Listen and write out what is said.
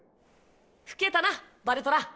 老けたなバルトラ。